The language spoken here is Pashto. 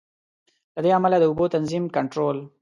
له دې امله د اوبو تنظیم، کنټرول.